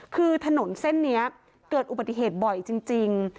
คือถนนเส้นนี้เกิดอุบัติเหตุบ่อยจริง